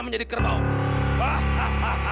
menjadi kerbau hahaha